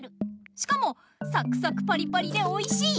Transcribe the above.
しかもサクサクパリパリでおいしい！